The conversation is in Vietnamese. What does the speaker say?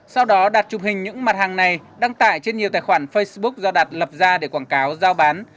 sau đó đạt chụp hình những mặt hàng này đăng tải trên nhiều tài khoản facebook do đạt lập ra để quảng cáo giao bán